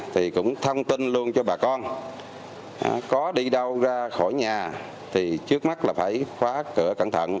thì cũng thông tin luôn cho bà con có đi đâu ra khỏi nhà thì trước mắt là phải khóa cửa cẩn thận